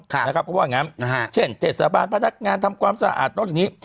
เพราะว่าอย่างนั้นเช่น๗สหปาลพนักงานทำความสะอาดต้นทีนี้